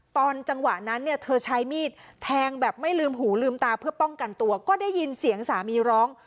ตอนจังหวะนั้นเนี่ยเธอใช้มีดแทงแบบไม่ลืมหูลืมตาเพื่อป้องกันตัวก็ได้ยินเสียงสามีร้อง